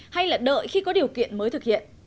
hay là đợi khi có điều kiện mới thực hiện